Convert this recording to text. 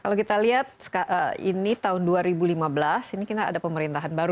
kalau kita lihat ini tahun dua ribu lima belas ini kita ada pemerintahan baru